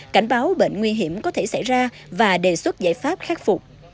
cảnh báo bệnh nguy hiểm có thể xảy ra và đề xuất giải pháp khắc phục